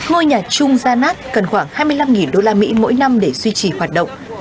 ngôi nhà chung janad cần khoảng hai mươi năm usd mỗi năm để duy trì hoạt động